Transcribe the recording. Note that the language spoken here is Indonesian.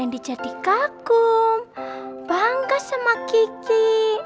mas randy jadi kagum bangga sama kiki